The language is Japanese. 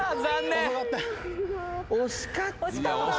惜しかった。